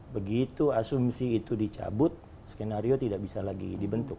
begitu asumsi itu dicabut skenario tidak bisa lagi dibentuk